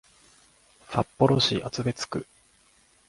札幌市厚別区